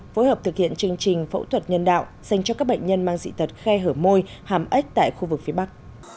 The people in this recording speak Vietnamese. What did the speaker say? phối hợp thực hiện chương trình phẫu thuật nhân đạo dành cho các bệnh nhân mang dị tật khe hở môi hàm ếch tại khu vực phía bắc